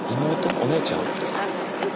お姉ちゃん？